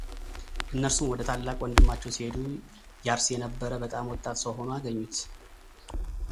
እነርሱም ወደ ታላቅ ወንድማቸው ሲሄዱ ያርስ የነበረ በጣም ወጣት ሰው ሆኖ አገኙት፡፡